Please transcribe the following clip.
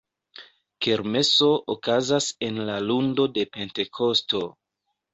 Kermeso okazas en la lundo de Pentekosto.